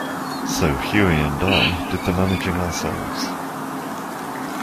So Hughie and I did the managing ourselves.